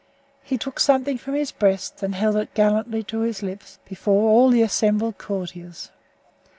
He took something from his breast and held it gallantly to his lips, before all the assembled courtiers.